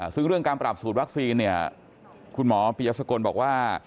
ซึ่งเรื่องการปรับสูตรวัคซีนเนี่ยคุณหมอปียสกลบอกว่า